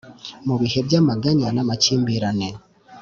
mu bihe by'amaganya n'amakimbirane.